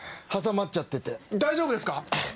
挟まっちゃってて大丈夫ですか？